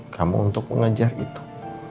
kamu untuk mengejar itu